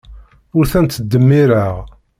Ur tent-ttdemmireɣ.